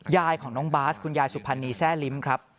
ยายของน้องบาสคุณยายสุพรรณีแซ่ลิ้มครับ